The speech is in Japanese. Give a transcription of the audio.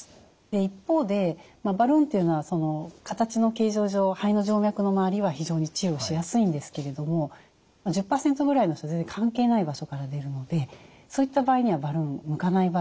一方でバルーンっていうのは形の形状上肺の静脈の周りは非常に治療しやすいんですけれども１０％ぐらいの人は全然関係ない場所から出るのでそういった場合にはバルーン向かない場合もありますよね。